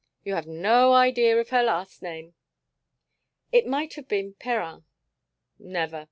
You have no idea of her last name!" "It might have been Perrin." "Never.